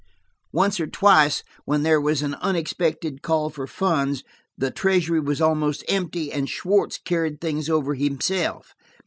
Once or twice, when there was an unexpected call for funds, the treasury was almost empty, and Schwartz carried things over himself.